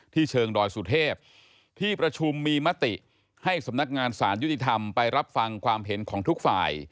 เชิงดอยสุเทพที่ประชุมมีมติให้สำนักงานสารยุติธรรมไปรับฟังความเห็นของทุกฝ่าย